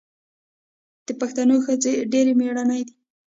د پښتنو ښځې ډیرې میړنۍ دي.